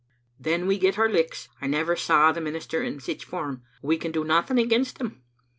" Then we get our licks. I never saw the minister in sic form. We can do nothing against him."